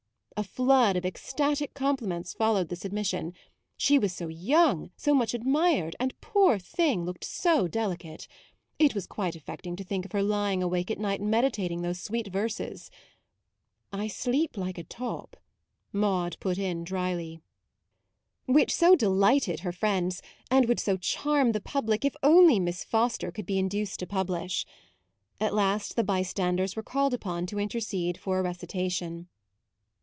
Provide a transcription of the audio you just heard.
A flood of ecstatic compliments followed this admission ; she was so young, so much admired, and, poor thing, looked so delicate. It was quite affecting to think of her lying awake at night meditating those sweet verses ( u I sleep like a top," Maude put in dryly) which so delighted her friends, and would so charm the public, if only Miss Fos ter could be induced to publish. At last the bystanders were called upon to intercede for a recitation.